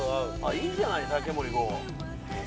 いいじゃない竹森ゴウ。